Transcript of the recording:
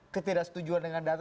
ketidaksetujuan dengan data